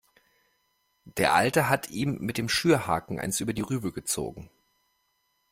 Der Alte hat ihm mit dem Schürhaken eins über die Rübe gezogen.